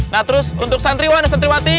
nah terus untuk santriwan dan santriwati